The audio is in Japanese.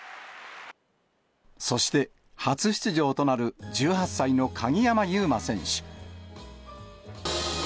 そして初出場となる１８歳の鍵山優真選手。